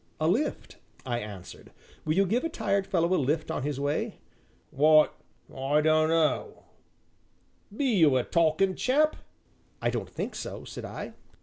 "A lift," I answered, "will you give a tired fellow a lift on his way?" "W'y I dunno be you a talkin' chap?" "I don't think so," said I.